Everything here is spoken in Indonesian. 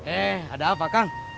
eh ada apa kang